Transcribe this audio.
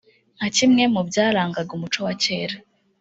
nka kimwe mu byarangaga umuco wa kera